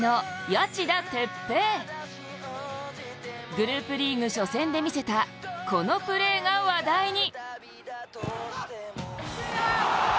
グループリーグ初戦で見せたこのプレーが話題に。